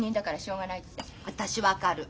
私分かる。